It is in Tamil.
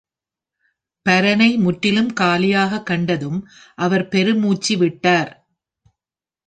பரனை முற்றிலும் காலியாகக் கண்டதும் அவர் பெரு மூச்சிவிட்டார்.